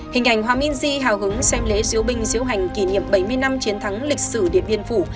hình ảnh hoa minh di hào hứng xem lễ diễu binh diễu hành kỷ niệm bảy mươi năm chiến thắng lịch sử điện biên phủ